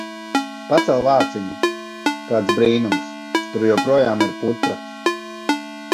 Pacel vāciņu! Kāds brīnums - tur joprojām ir putra!